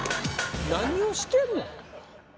何をしてんの？